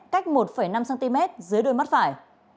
cách một năm cm dưới đôi mắt phải